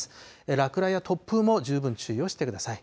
落雷や突風も十分注意をしてください。